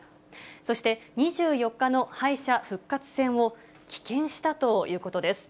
そして、２４日の敗者復活戦を棄権したということです。